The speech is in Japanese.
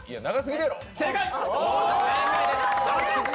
正解！